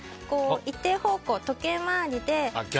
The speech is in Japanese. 一定方向、時計回りで。